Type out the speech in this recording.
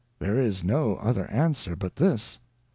there is no other Answer but this.